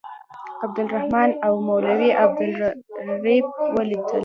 عبدالرحمن او مولوي عبدالرب ولیدل.